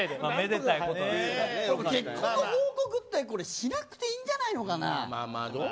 でも結婚の報告ってしなくていいんじゃないのかな。